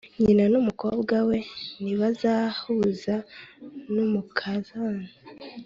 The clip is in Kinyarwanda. nyina n umukobwa we ntibazahuza n Umukazana